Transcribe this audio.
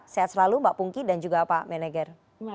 sehat selalu mbak pungki dan juga pak meneger